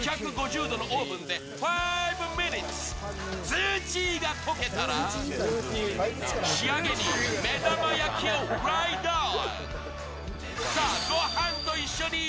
ズーチーが溶けたら仕上げに目玉焼きをライド・オン。